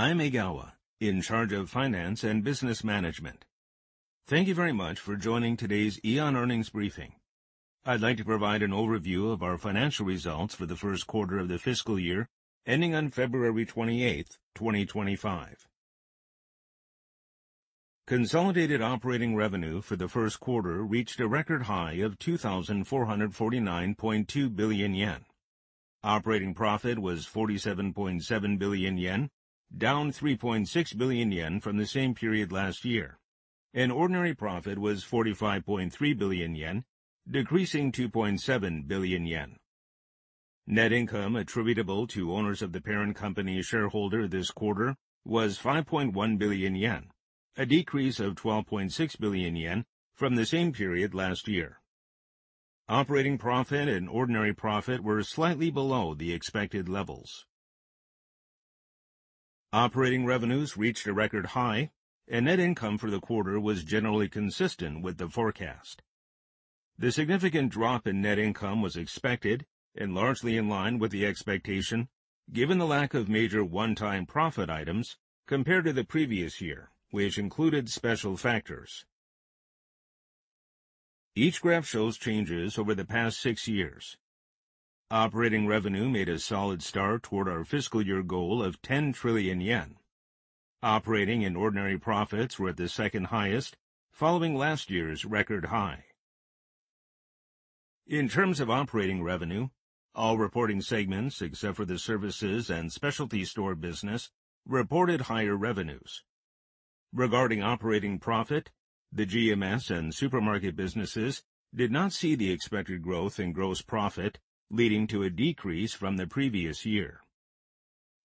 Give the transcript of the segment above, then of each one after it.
I'm Egawa, in charge of finance and business management. Thank you very much for joining today's Aeon Earnings Briefing. I'd like to provide an overview of our financial results for the first quarter of the fiscal year, ending on February 28, 2025. Consolidated operating revenue for the first quarter reached a record high of 2,449.2 billion yen. Operating profit was 47.7 billion yen, down 3.6 billion yen from the same period last year, and ordinary profit was 45.3 billion yen, decreasing 2.7 billion yen. Net income attributable to owners of the parent company's shareholder this quarter was 5.1 billion yen, a decrease of 12.6 billion yen from the same period last year. Operating profit and ordinary profit were slightly below the expected levels. Operating revenues reached a record high, and net income for the quarter was generally consistent with the forecast. The significant drop in net income was expected and largely in line with the expectation, given the lack of major one-time profit items compared to the previous year, which included special factors. Each graph shows changes over the past six years. Operating revenue made a solid start toward our fiscal year goal of 10 trillion yen. Operating and ordinary profits were at the second highest, following last year's record high. In terms of operating revenue, all reporting segments, except for the services and specialty store business, reported higher revenues. Regarding operating profit, the GMS and supermarket businesses did not see the expected growth in gross profit, leading to a decrease from the previous year.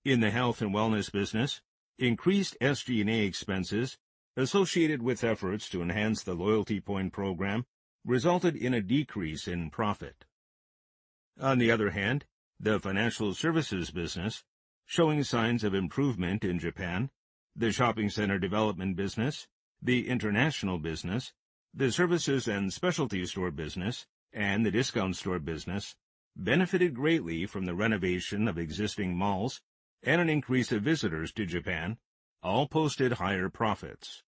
In the health and wellness business, increased SG&A expenses associated with efforts to enhance the loyalty point program resulted in a decrease in profit. On the other hand, the financial services business showing signs of improvement in Japan, the shopping center development business, the international business, the services and specialty store business, and the discount store business benefited greatly from the renovation of existing malls and an increase of visitors to Japan all posted higher profits.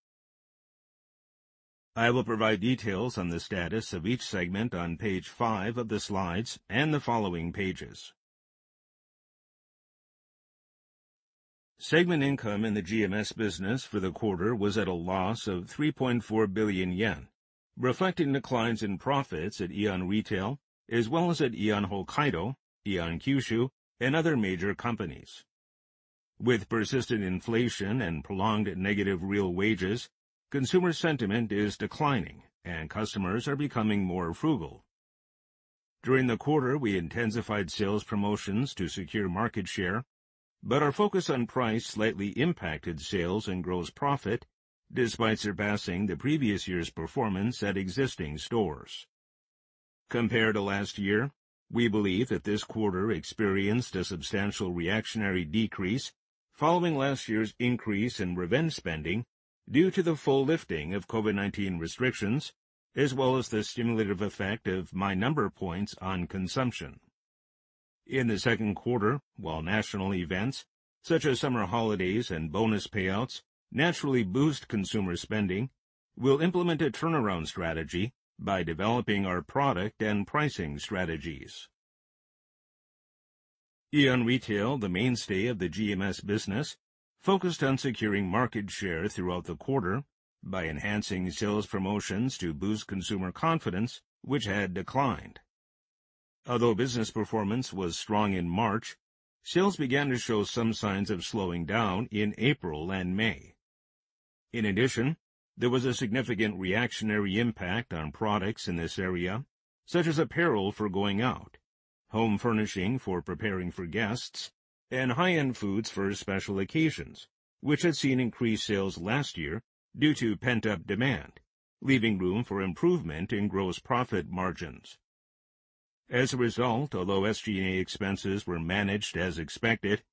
I will provide details on the status of each segment on page five of the slides and the following pages. Segment income in the GMS business for the quarter was at a loss of 3.4 billion yen, reflecting declines in profits at Aeon Retail, as well as at Aeon Hokkaido, Aeon Kyushu, and other major companies. With persistent inflation and prolonged negative real wages, consumer sentiment is declining, and customers are becoming more frugal. During the quarter, we intensified sales promotions to secure market share, but our focus on price slightly impacted sales and gross profit, despite surpassing the previous year's performance at existing stores. Compared to last year, we believe that this quarter experienced a substantial reactionary decrease following last year's increase in revenge spending due to the full lifting of COVID-19 restrictions, as well as the stimulative effect of My Number Points on consumption. In the second quarter, while national events such as summer holidays and bonus payouts naturally boost consumer spending, we'll implement a turnaround strategy by developing our product and pricing strategies. Aeon Retail, the mainstay of the GMS business, focused on securing market share throughout the quarter by enhancing sales promotions to boost consumer confidence, which had declined. Although business performance was strong in March, sales began to show some signs of slowing down in April and May. In addition, there was a significant reactionary impact on products in this area, such as apparel for going out, home furnishing for preparing for guests, and high-end foods for special occasions, which had seen increased sales last year due to pent-up demand, leaving room for improvement in gross profit margins. As a result, although SG&A expenses were managed as expected,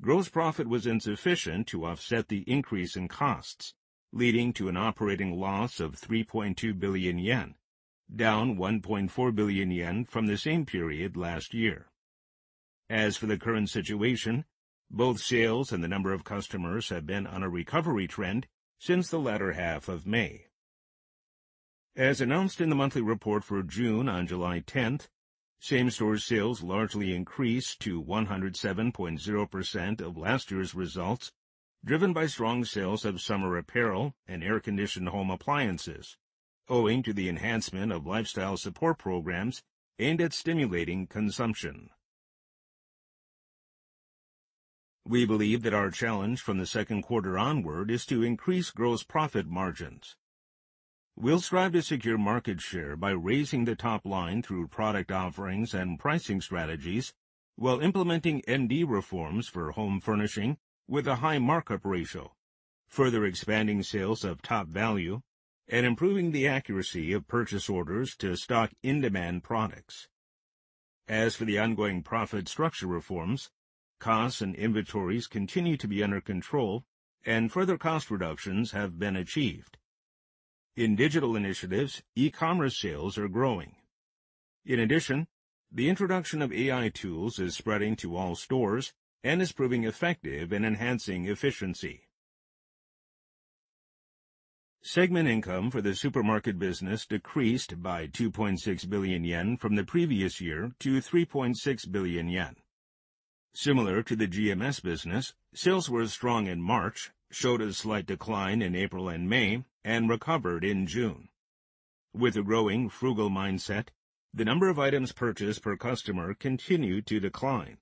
gross profit was insufficient to offset the increase in costs, leading to an operating loss of 3.2 billion yen, down 1.4 billion yen from the same period last year. As for the current situation, both sales and the number of customers have been on a recovery trend since the latter half of May. As announced in the monthly report for June on July tenth, same-store sales largely increased to 107.0% of last year's results, driven by strong sales of summer apparel and air-conditioned home appliances, owing to the enhancement of lifestyle support programs aimed at stimulating consumption. We believe that our challenge from the second quarter onward is to increase gross profit margins. We'll strive to secure market share by raising the top line through product offerings and pricing strategies, while implementing MD reforms for home furnishing with a high markup ratio, further expanding sales of TOPVALU, and improving the accuracy of purchase orders to stock in-demand products. As for the ongoing profit structure reforms, costs and inventories continue to be under control, and further cost reductions have been achieved. In digital initiatives, e-commerce sales are growing. In addition, the introduction of AI tools is spreading to all stores and is proving effective in enhancing efficiency. Segment income for the supermarket business decreased by 2.6 billion yen from the previous year to 3.6 billion yen. Similar to the GMS business, sales were strong in March, showed a slight decline in April and May, and recovered in June. With a growing frugal mindset, the number of items purchased per customer continued to decline,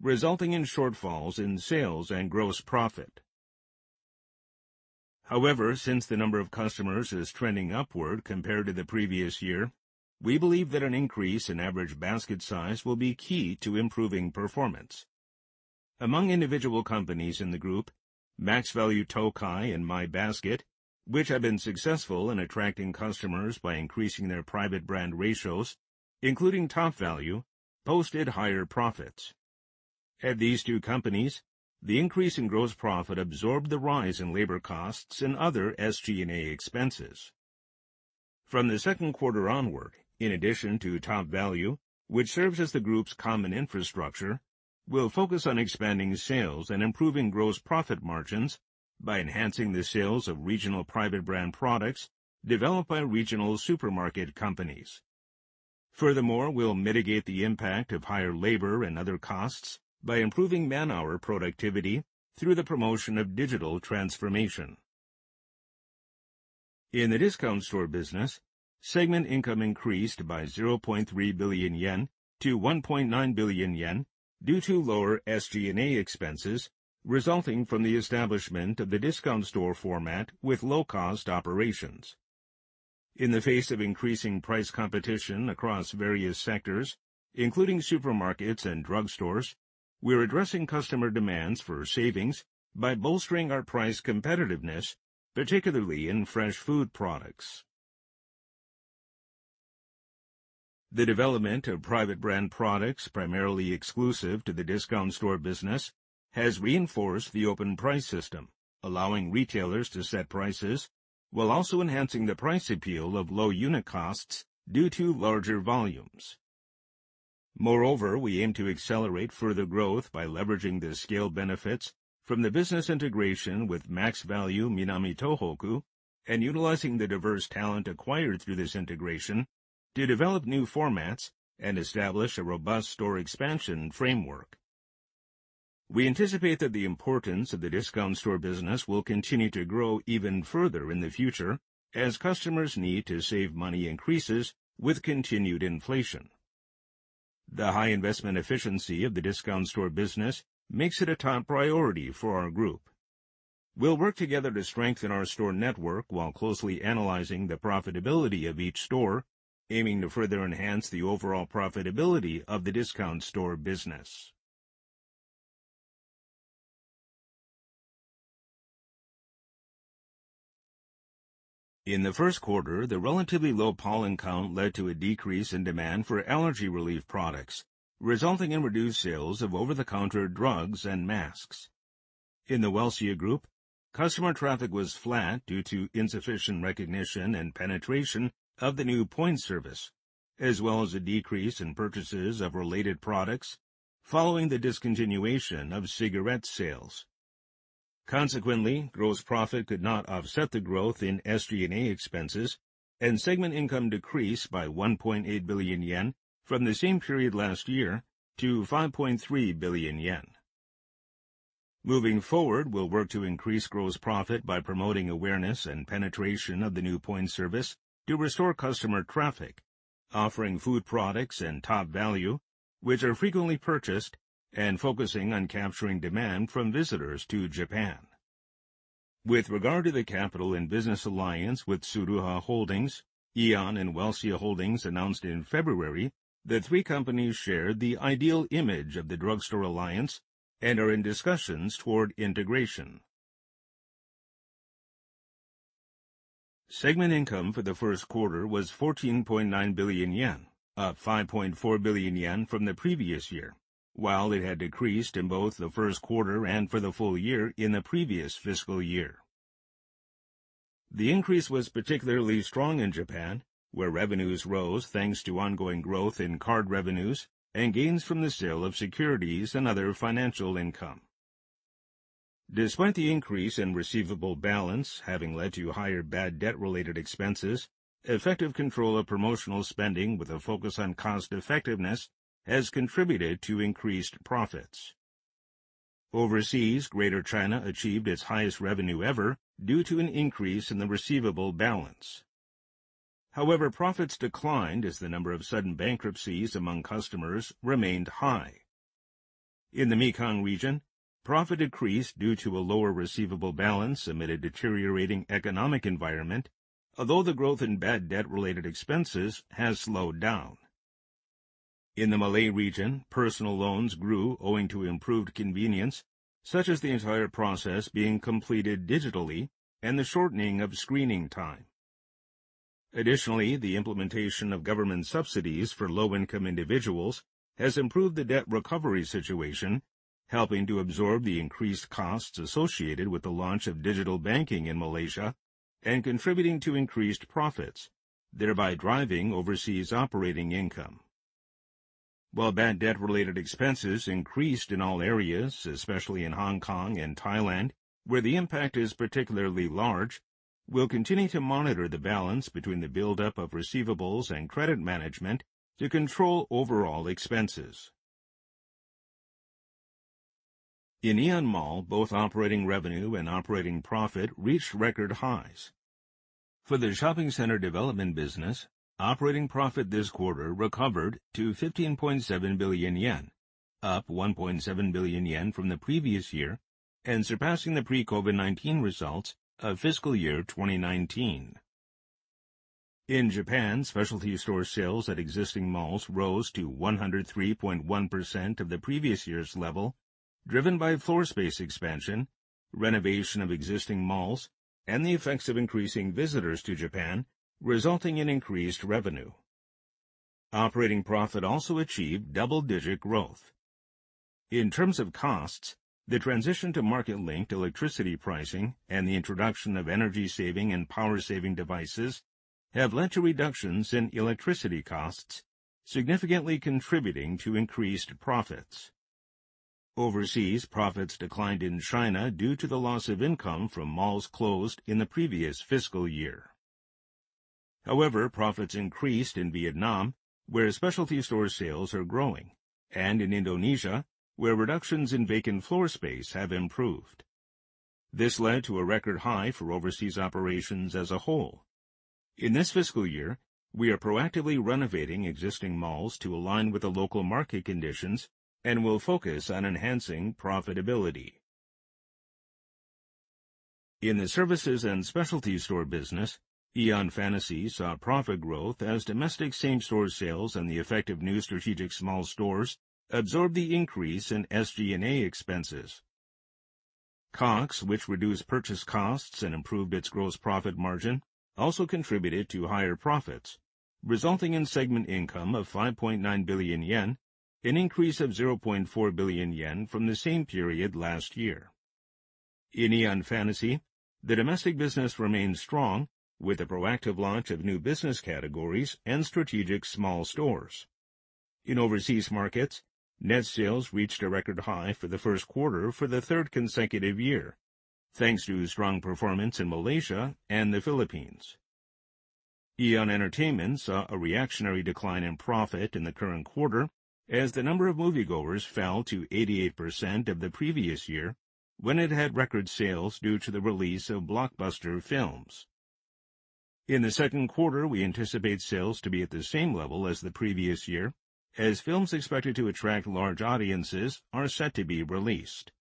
resulting in shortfalls in sales and gross profit. However, since the number of customers is trending upward compared to the previous year, we believe that an increase in average basket size will be key to improving performance. Among individual companies in the group, Maxvalu Tokai and My Basket, which have been successful in attracting customers by increasing their private brand ratios, including TOPVALU, posted higher profits. At these two companies, the increase in gross profit absorbed the rise in labor costs and other SG&A expenses. From the second quarter onward, in addition to TOPVALU, which serves as the group's common infrastructure, we'll focus on expanding sales and improving gross profit margins by enhancing the sales of regional private brand products developed by regional supermarket companies. Furthermore, we'll mitigate the impact of higher labor and other costs by improving man-hour productivity through the promotion of digital transformation. In the discount store business, segment income increased by 0.3 billion-1.9 billion yen due to lower SG&A expenses, resulting from the establishment of the discount store format with low-cost operations. In the face of increasing price competition across various sectors, including supermarkets and drugstores, we are addressing customer demands for savings by bolstering our price competitiveness, particularly in fresh food products. The development of private brand products, primarily exclusive to the discount store business, has reinforced the open price system, allowing retailers to set prices while also enhancing the price appeal of low unit costs due to larger volumes. Moreover, we aim to accelerate further growth by leveraging the scale benefits from the business integration with Maxvalu Minami Tohoku and utilizing the diverse talent acquired through this integration to develop new formats and establish a robust store expansion framework. We anticipate that the importance of the discount store business will continue to grow even further in the future as customers' need to save money increases with continued inflation. The high investment efficiency of the discount store business makes it a top priority for our group. We'll work together to strengthen our store network while closely analyzing the profitability of each store, aiming to further enhance the overall profitability of the discount store business. In the first quarter, the relatively low pollen count led to a decrease in demand for allergy relief products, resulting in reduced sales of over-the-counter drugs and masks. In the Welcia Group, customer traffic was flat due to insufficient recognition and penetration of the new point service, as well as a decrease in purchases of related products following the discontinuation of cigarette sales. Consequently, gross profit could not offset the growth in SG&A expenses, and segment income decreased by 1.8 billion yen from the same period last year to 5.3 billion yen. Moving forward, we'll work to increase gross profit by promoting awareness and penetration of the new point service to restore customer traffic, offering food products and TOPVALU, which are frequently purchased and focusing on capturing demand from visitors to Japan. With regard to the capital and business alliance with Tsuruha Holdings, Aeon and Welcia Holdings announced in February that three companies share the ideal image of the drugstore alliance and are in discussions toward integration. Segment income for the first quarter was 14.9 billion yen, up 5.4 billion yen from the previous year, while it had decreased in both the first quarter and for the full year in the previous fiscal year. The increase was particularly strong in Japan, where revenues rose thanks to ongoing growth in card revenues and gains from the sale of securities and other financial income. Despite the increase in receivable balance having led to higher bad debt-related expenses, effective control of promotional spending with a focus on cost-effectiveness has contributed to increased profits. Overseas, Greater China achieved its highest revenue ever due to an increase in the receivable balance. However, profits declined as the number of sudden bankruptcies among customers remained high. In the Mekong region, profit decreased due to a lower receivable balance amid a deteriorating economic environment, although the growth in bad debt-related expenses has slowed down. In the Malay region, personal loans grew owing to improved convenience, such as the entire process being completed digitally and the shortening of screening time. Additionally, the implementation of government subsidies for low-income individuals has improved the debt recovery situation, helping to absorb the increased costs associated with the launch of digital banking in Malaysia and contributing to increased profits, thereby driving overseas operating income. While bad debt-related expenses increased in all areas, especially in Hong Kong and Thailand, where the impact is particularly large, we'll continue to monitor the balance between the buildup of receivables and credit management to control overall expenses. In Aeon Mall, both operating revenue and operating profit reached record highs. For the shopping center development business, operating profit this quarter recovered to 15.7 billion yen, up 1.7 billion yen from the previous year and surpassing the pre-COVID-19 results of fiscal year 2019. In Japan, specialty store sales at existing malls rose to 103.1% of the previous year's level, driven by floor space expansion, renovation of existing malls, and the effects of increasing visitors to Japan, resulting in increased revenue. Operating profit also achieved double-digit growth. In terms of costs, the transition to market-linked electricity pricing and the introduction of energy-saving and power-saving devices have led to reductions in electricity costs, significantly contributing to increased profits. Overseas, profits declined in China due to the loss of income from malls closed in the previous fiscal year. However, profits increased in Vietnam, where specialty store sales are growing, and in Indonesia, where reductions in vacant floor space have improved. This led to a record high for overseas operations as a whole. In this fiscal year, we are proactively renovating existing malls to align with the local market conditions and will focus on enhancing profitability. In the Services and Specialty Store business, Aeon Fantasy saw profit growth as domestic same-store sales and the effect of new strategic small stores absorbed the increase in SG&A expenses. COGS, which reduced purchase costs and improved its gross profit margin, also contributed to higher profits, resulting in segment income of 5.9 billion yen, an increase of 0.4 billion yen from the same period last year. In Aeon Fantasy, the domestic business remains strong, with the proactive launch of new business categories and strategic small stores. In overseas markets, net sales reached a record high for the first quarter for the third consecutive year, thanks to strong performance in Malaysia and the Philippines. Aeon Entertainment saw a reactionary decline in profit in the current quarter as the number of moviegoers fell to 88% of the previous year, when it had record sales due to the release of blockbuster films. In the second quarter, we anticipate sales to be at the same level as the previous year, as films expected to attract large audiences are set to be released.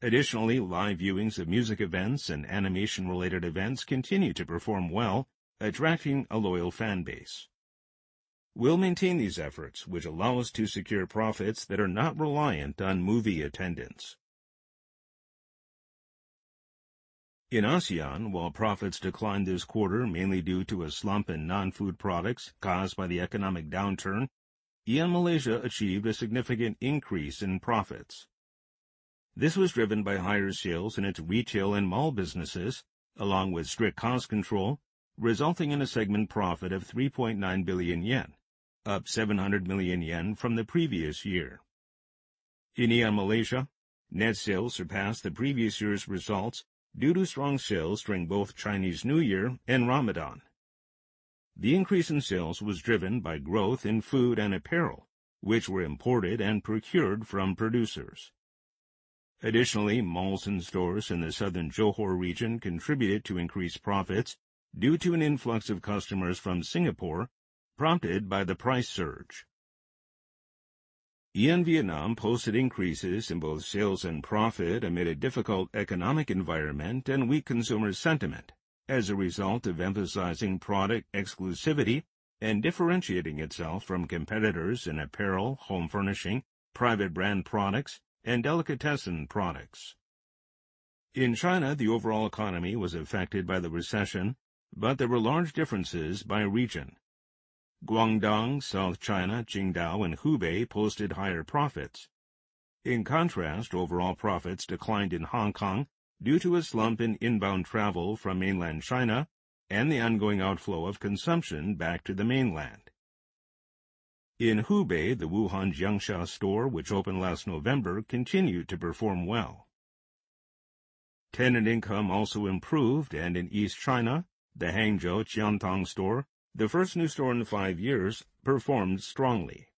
Additionally, live viewings of music events and animation-related events continue to perform well, attracting a loyal fan base. We'll maintain these efforts, which allow us to secure profits that are not reliant on movie attendance. In ASEAN, while profits declined this quarter, mainly due to a slump in non-food products caused by the economic downturn, Aeon Malaysia achieved a significant increase in profits. This was driven by higher sales in its retail and mall businesses, along with strict cost control, resulting in a segment profit of 3.9 billion yen, up 700 million yen from the previous year. In Aeon Malaysia, net sales surpassed the previous year's results due to strong sales during both Chinese New Year and Ramadan. The increase in sales was driven by growth in food and apparel, which were imported and procured from producers. Additionally, malls and stores in the southern Johor region contributed to increased profits due to an influx of customers from Singapore, prompted by the price surge. Aeon Vietnam posted increases in both sales and profit amid a difficult economic environment and weak consumer sentiment as a result of emphasizing product exclusivity and differentiating itself from competitors in apparel, home furnishing, private brand products, and delicatessen products. In China, the overall economy was affected by the recession, but there were large differences by region. Guangdong, South China, Qingdao, and Hubei posted higher profits. In contrast, overall profits declined in Hong Kong due to a slump in inbound travel from mainland China and the ongoing outflow of consumption back to the mainland. In Hubei, the Wuhan Jiangxia store, which opened last November, continued to perform well. Tenant income also improved, and in East China, the Hangzhou Qiantang store, the first new store in five years, performed strongly.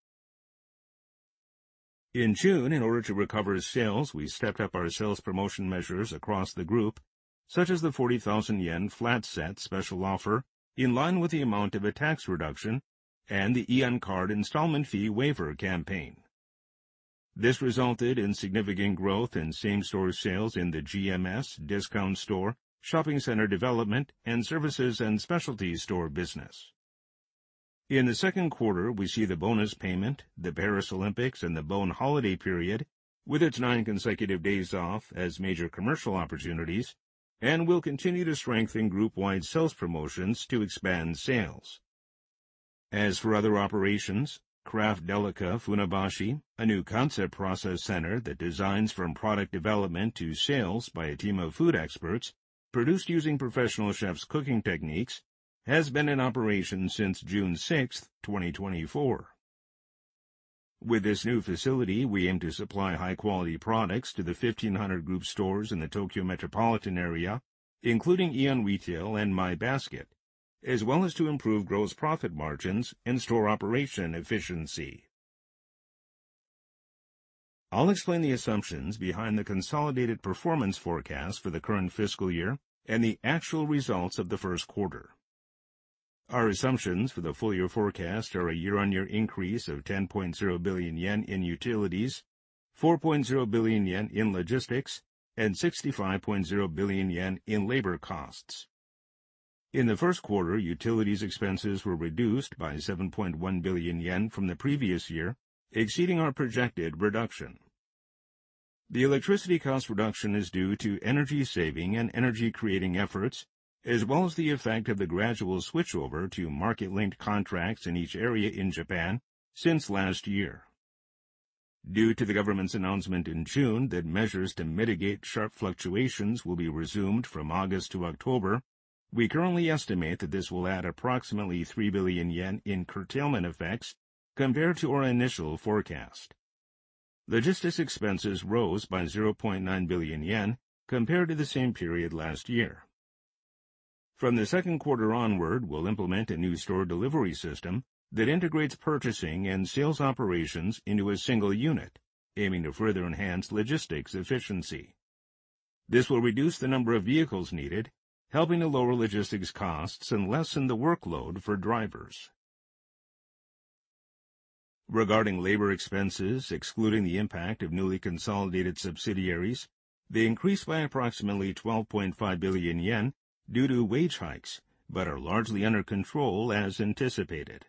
In June, in order to recover sales, we stepped up our sales promotion measures across the Group, such as the 40,000 yen flat-set special offer, in line with the amount of a tax reduction and the Aeon Card installment fee waiver campaign. This resulted in significant growth in same-store sales in the GMS, Discount Store, Shopping Center Development, and Services and Specialty Store business.... In the second quarter, we see the bonus payment, the Paris Olympics, and the Bon holiday period, with its nine consecutive days off as major commercial opportunities, and we'll continue to strengthen group-wide sales promotions to expand sales. As for other operations, Craft Delica Funabashi, a new concept process center that designs from product development to sales by a team of food experts, produced using professional chefs' cooking techniques, has been in operation since June sixth, 2024. With this new facility, we aim to supply high-quality products to the 1,500 group stores in the Tokyo metropolitan area, including Aeon Retail and My Basket, as well as to improve gross profit margins and store operation efficiency. I'll explain the assumptions behind the consolidated performance forecast for the current fiscal year and the actual results of the first quarter. Our assumptions for the full year forecast are a year-on-year increase of 10.0 billion yen in utilities, 4.0 billion yen in logistics, and 65.0 billion yen in labor costs. In the first quarter, utilities expenses were reduced by 7.1 billion yen from the previous year, exceeding our projected reduction. The electricity cost reduction is due to energy-saving and energy-creating efforts, as well as the effect of the gradual switchover to market-linked contracts in each area in Japan since last year. Due to the government's announcement in June that measures to mitigate sharp fluctuations will be resumed from August to October, we currently estimate that this will add approximately 3 billion yen in curtailment effects compared to our initial forecast. Logistics expenses rose by 0.9 billion yen compared to the same period last year. From the second quarter onward, we'll implement a new store delivery system that integrates purchasing and sales operations into a single unit, aiming to further enhance logistics efficiency. This will reduce the number of vehicles needed, helping to lower logistics costs and lessen the workload for drivers. Regarding labor expenses, excluding the impact of newly consolidated subsidiaries, they increased by approximately 12.5 billion yen due to wage hikes, but are largely under control as anticipated.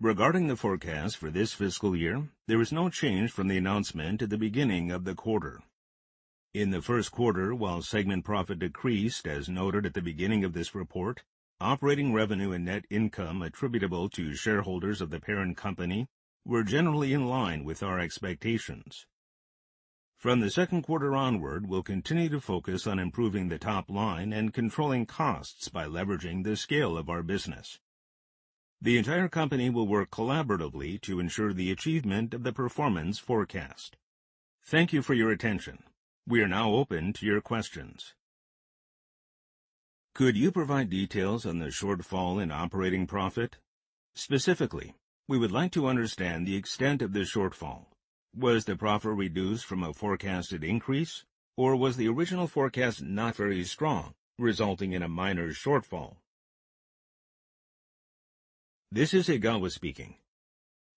Regarding the forecast for this fiscal year, there is no change from the announcement at the beginning of the quarter. In the first quarter, while segment profit decreased, as noted at the beginning of this report, operating revenue and net income attributable to shareholders of the parent company were generally in line with our expectations. From the second quarter onward, we'll continue to focus on improving the top line and controlling costs by leveraging the scale of our business. The entire company will work collaboratively to ensure the achievement of the performance forecast. Thank you for your attention. We are now open to your questions. Could you provide details on the shortfall in operating profit? Specifically, we would like to understand the extent of the shortfall. Was the profit reduced from a forecasted increase, or was the original forecast not very strong, resulting in a minor shortfall? This is Egawa speaking.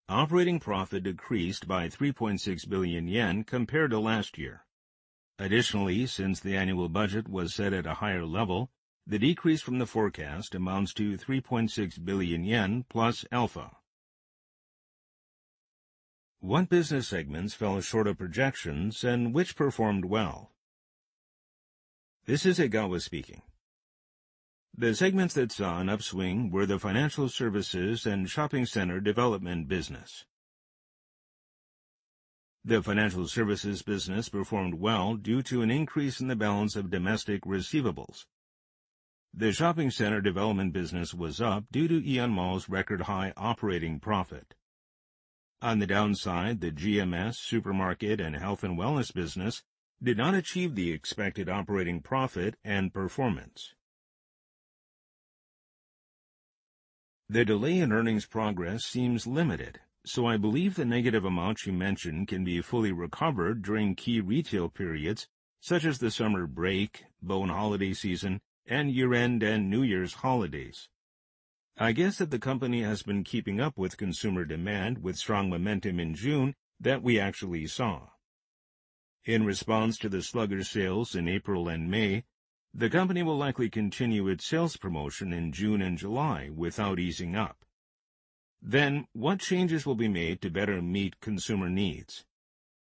Operating profit decreased by 3.6 billion yen compared to last year. Additionally, since the annual budget was set at a higher level, the decrease from the forecast amounts to 3.6 billion yen plus alpha. What business segments fell short of projections and which performed well? This is Egawa speaking. The segments that saw an upswing were the financial services and shopping center development business. The financial services business performed well due to an increase in the balance of domestic receivables. The shopping center development business was up due to Aeon Mall's record-high operating profit. On the downside, the GMS supermarket and health and wellness business did not achieve the expected operating profit and performance. The delay in earnings progress seems limited, so I believe the negative amounts you mentioned can be fully recovered during key retail periods such as the summer break, Bon holiday season, and year-end and New Year's holidays. I guess that the company has been keeping up with consumer demand with strong momentum in June that we actually saw. In response to the sluggish sales in April and May, the company will likely continue its sales promotion in June and July without easing up. Then, what changes will be made to better meet consumer needs?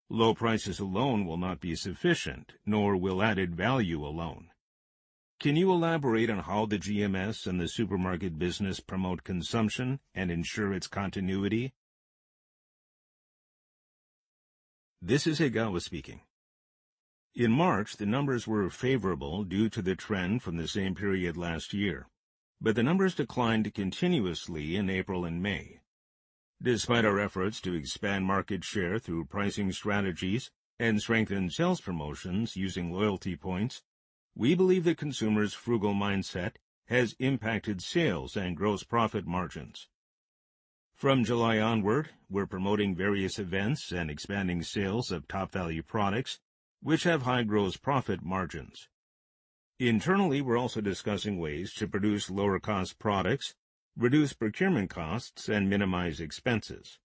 Low prices alone will not be sufficient, nor will added value alone. Can you elaborate on how the GMS and the supermarket business promote consumption and ensure its continuity? This is Egawa speaking. In March, the numbers were favorable due to the trend from the same period last year, but the numbers declined continuously in April and May. Despite our efforts to expand market share through pricing strategies and strengthen sales promotions using loyalty points, we believe the consumer's frugal mindset has impacted sales and gross profit margins. From July onward, we're promoting various events and expanding sales of TOPVALU products, which have high gross profit margins. Internally, we're also discussing ways to produce lower-cost products, reduce procurement costs, and minimize expenses.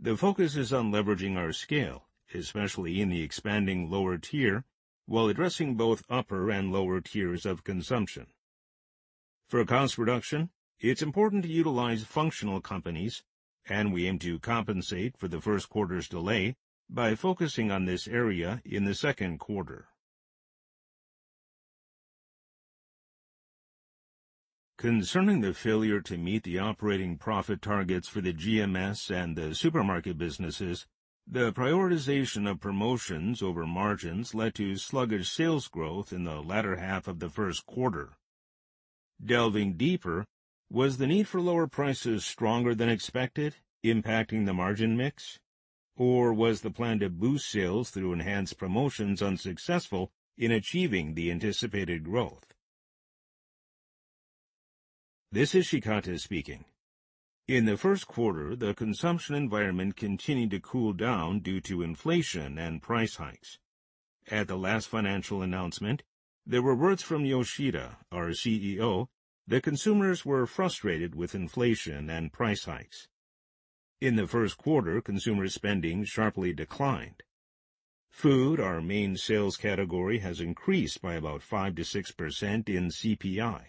The focus is on leveraging our scale, especially in the expanding lower tier, while addressing both upper and lower tiers of consumption. For cost reduction, it's important to utilize functional companies, and we aim to compensate for the first quarter's delay by focusing on this area in the second quarter. Concerning the failure to meet the operating profit targets for the GMS and the supermarket businesses, the prioritization of promotions over margins led to sluggish sales growth in the latter half of the first quarter. Delving deeper, was the need for lower prices stronger than expected, impacting the margin mix? Or was the plan to boost sales through enhanced promotions unsuccessful in achieving the anticipated growth? This is Shikata speaking. In the first quarter, the consumption environment continued to cool down due to inflation and price hikes. At the last financial announcement, there were words from Yoshida, our CEO, that consumers were frustrated with inflation and price hikes. In the first quarter, consumer spending sharply declined. Food, our main sales category, has increased by about 5%-6% in CPI.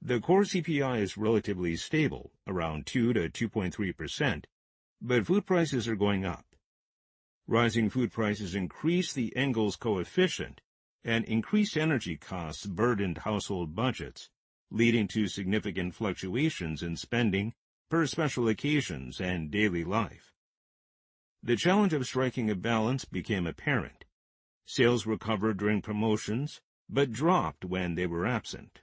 The core CPI is relatively stable, around 2%-2.3%, but food prices are going up. Rising food prices increase the Engel's coefficient, and increased energy costs burdened household budgets, leading to significant fluctuations in spending per special occasions and daily life. The challenge of striking a balance became apparent. Sales recovered during promotions but dropped when they were absent.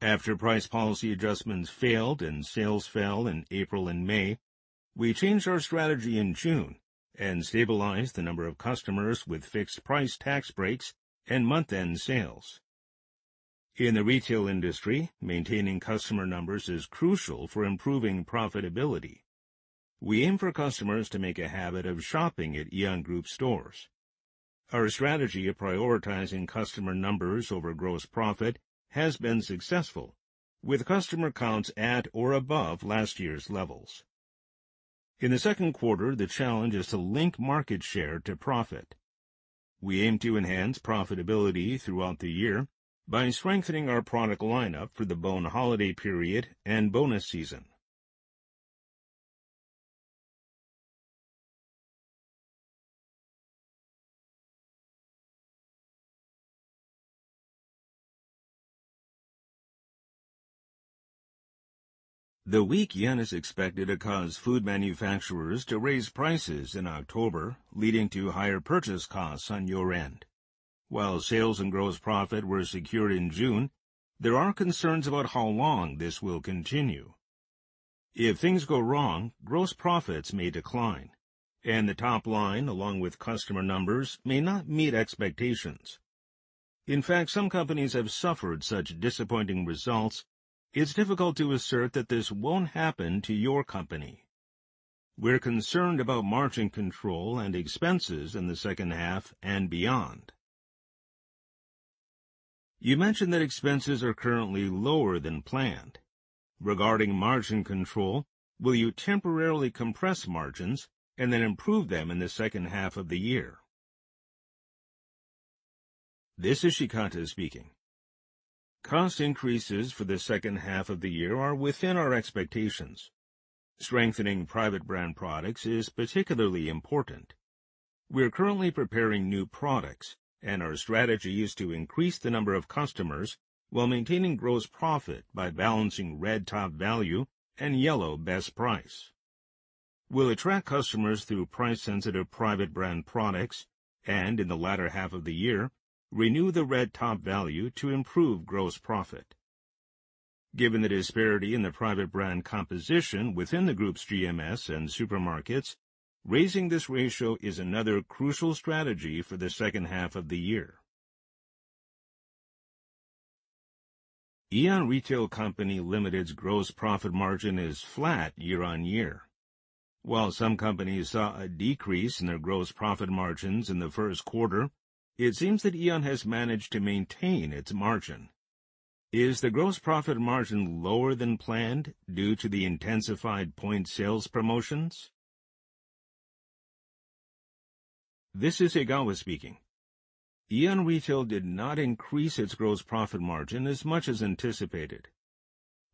After price policy adjustments failed and sales fell in April and May, we changed our strategy in June and stabilized the number of customers with fixed-price tax breaks and month-end sales. In the retail industry, maintaining customer numbers is crucial for improving profitability. We aim for customers to make a habit of shopping at Aeon Group stores. Our strategy of prioritizing customer numbers over gross profit has been successful, with customer counts at or above last year's levels. In the second quarter, the challenge is to link market share to profit. We aim to enhance profitability throughout the year by strengthening our product lineup for the Bon holiday period and bonus season. The weak yen is expected to cause food manufacturers to raise prices in October, leading to higher purchase costs on your end. While sales and gross profit were secured in June, there are concerns about how long this will continue. If things go wrong, gross profits may decline, and the top line, along with customer numbers, may not meet expectations. In fact, some companies have suffered such disappointing results. It's difficult to assert that this won't happen to your company. We're concerned about margin control and expenses in the second half and beyond. You mentioned that expenses are currently lower than planned. Regarding margin control, will you temporarily compress margins and then improve them in the second half of the year? This is Shikata speaking. Cost increases for the second half of the year are within our expectations. Strengthening private brand products is particularly important. We are currently preparing new products, and our strategy is to increase the number of customers while maintaining gross profit by balancing red TOPVALU and yellow Best Price. We'll attract customers through price-sensitive private brand products and, in the latter half of the year, renew the red TOPVALU to improve gross profit. Given the disparity in the private brand composition within the group's GMS and supermarkets, raising this ratio is another crucial strategy for the second half of the year. Aeon Retail Company Limited's gross profit margin is flat year-on-year. While some companies saw a decrease in their gross profit margins in the first quarter, it seems that Aeon has managed to maintain its margin. Is the gross profit margin lower than planned due to the intensified point sales promotions? This is Egawa speaking. Aeon Retail did not increase its gross profit margin as much as anticipated.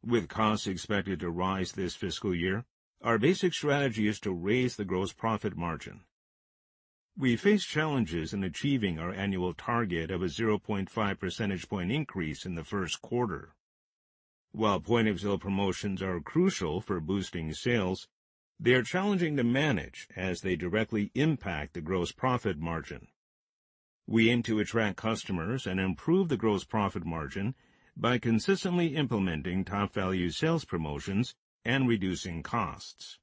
With costs expected to rise this fiscal year, our basic strategy is to raise the gross profit margin. We face challenges in achieving our annual target of a 0.5 percentage point increase in the first quarter. While point-of-sale promotions are crucial for boosting sales, they are challenging to manage as they directly impact the gross profit margin. We aim to attract customers and improve the gross profit margin by consistently implementing TOPVALU sales promotions and reducing costs.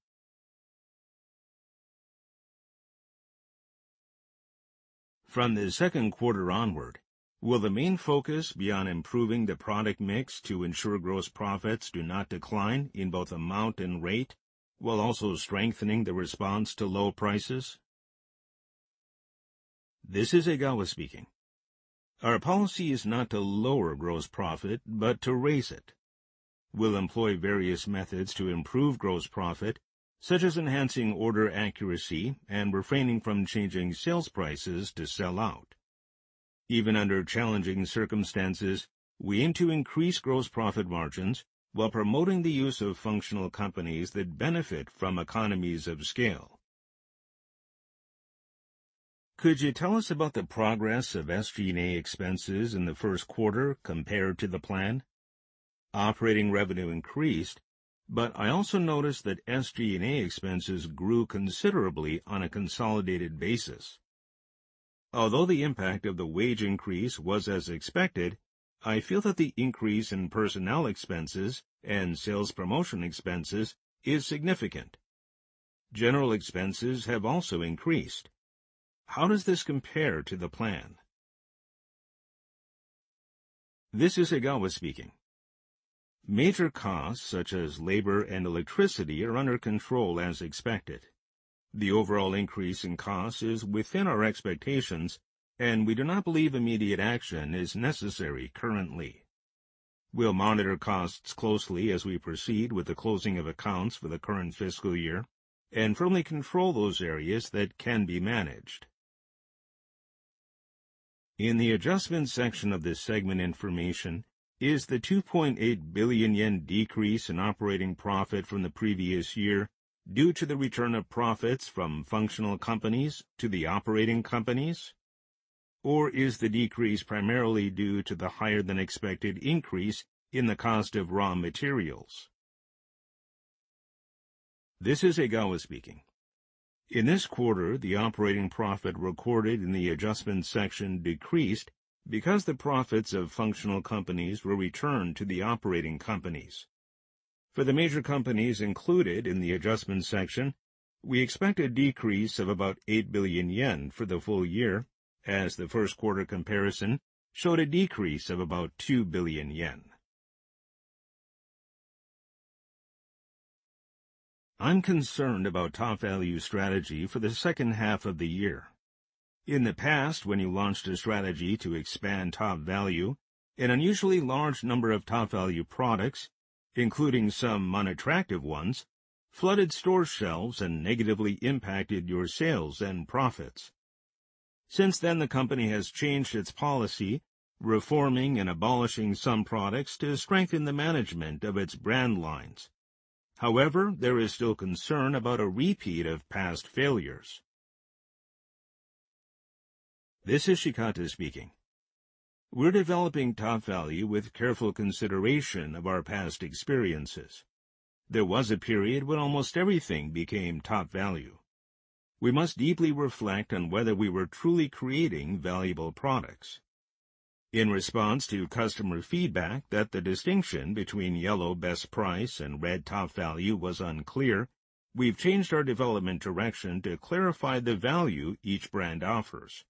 From the second quarter onward, will the main focus be on improving the product mix to ensure gross profits do not decline in both amount and rate? ... while also strengthening the response to low prices? This is Egawa speaking. Our policy is not to lower gross profit, but to raise it. We'll employ various methods to improve gross profit, such as enhancing order accuracy and refraining from changing sales prices to sell out. Even under challenging circumstances, we aim to increase gross profit margins while promoting the use of functional companies that benefit from economies of scale. Could you tell us about the progress of SG&A expenses in the first quarter compared to the plan? Operating revenue increased, but I also noticed that SG&A expenses grew considerably on a consolidated basis. Although the impact of the wage increase was as expected, I feel that the increase in personnel expenses and sales promotion expenses is significant. General expenses have also increased. How does this compare to the plan? This is Egawa speaking. Major costs, such as labor and electricity, are under control as expected. The overall increase in costs is within our expectations, and we do not believe immediate action is necessary currently. We'll monitor costs closely as we proceed with the closing of accounts for the current fiscal year and firmly control those areas that can be managed. In the adjustment section of this segment information, is the 2.8 billion yen decrease in operating profit from the previous year due to the return of profits from functional companies to the operating companies? Or is the decrease primarily due to the higher-than-expected increase in the cost of raw materials? This is Egawa speaking. In this quarter, the operating profit recorded in the adjustment section decreased because the profits of functional companies were returned to the operating companies. For the major companies included in the adjustment section, we expect a decrease of about 8 billion yen for the full year, as the first quarter comparison showed a decrease of about 2 billion yen. I'm concerned about TOPVALU strategy for the second half of the year. In the past, when you launched a strategy to expand TOPVALU, an unusually large number of TOPVALU products, including some unattractive ones, flooded store shelves and negatively impacted your sales and profits. Since then, the company has changed its policy, reforming and abolishing some products to strengthen the management of its brand lines. However, there is still concern about a repeat of past failures. This is Shikata speaking. We're developing TOPVALU with careful consideration of our past experiences. There was a period when almost everything became TOPVALU. We must deeply reflect on whether we were truly creating valuable products. In response to customer feedback that the distinction between yellow Best Price and red TOPVALU was unclear, we've changed our development direction to clarify the value each brand offers.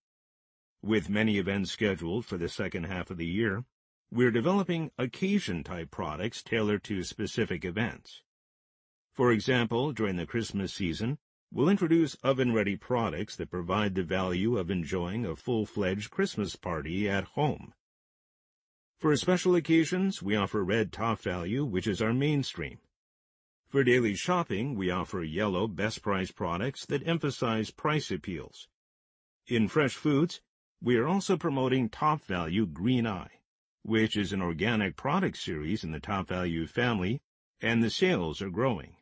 With many events scheduled for the second half of the year, we're developing occasion-type products tailored to specific events. For example, during the Christmas season, we'll introduce oven-ready products that provide the value of enjoying a full-fledged Christmas party at home. For special occasions, we offer red TOPVALU, which is our mainstream. For daily shopping, we offer yellow Best Price products that emphasize price appeals. In fresh foods, we are also promoting TOPVALU GreenEye, which is an organic product series in the TOPVALU family, and the sales are growing.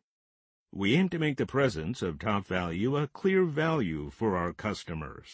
We aim to make the presence of TOPVALU a clear value for our customers.